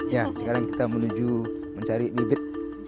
ya sekarang kita menuju mencari bibit